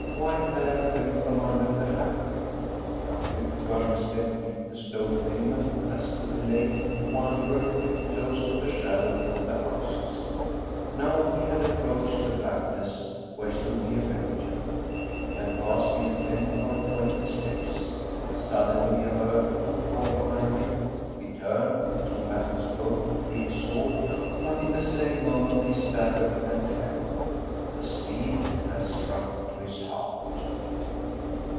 White hair fell from under the hat rim, a quick, firm step beat the stone pavement as the belated wanderer kept close to the shadow of the houses. Now he had approached the blackness where stood the avenger ; he had passed him ten or twenty steps ; suddenly he heard a footfall behind him ; he turned, threw back his coat to free his sword, but in the 78 Paul Heyse same moment he staggered and fell the steel had struck to his heart.